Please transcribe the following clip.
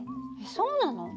そうなの？